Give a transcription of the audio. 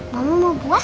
mama mau buah